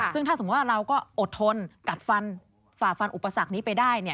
ซึ่งถ้าสมมุติว่าเราก็อดทนกัดฟันฝ่าฟันอุปสรรคนี้ไปได้